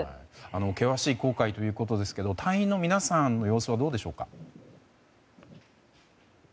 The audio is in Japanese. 険しい航海ということですけど隊員の皆さんの様子はどうでしょうか。